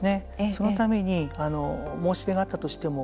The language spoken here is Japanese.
そのために申し出があったとしても